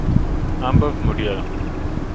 Ambos murieron.